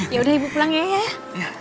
yaudah ibu pulang ya iya ya